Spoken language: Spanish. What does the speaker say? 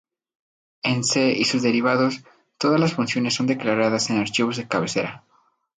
En C y sus derivados, todas las funciones son declaradas en archivos de cabecera.